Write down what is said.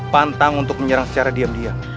pantang untuk menyerang secara diam diam